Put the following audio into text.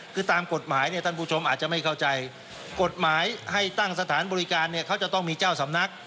คือตามกฎหมายเนี่ยท่านผู้ชมอาจจะไม่เข้าใจกฎหมายให้ตั้งสถานบริการเนี่ยเขาจะต้องมีเจ้าสำนัก